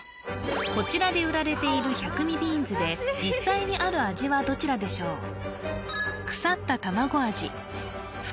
こちらで売られている百味ビーンズで実際にある味はどちらでしょう